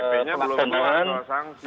pp nya belum keluar atau sanksi